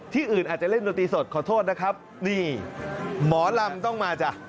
อื่นอาจจะเล่นดนตรีสดขอโทษนะครับนี่หมอลำต้องมาจ้ะ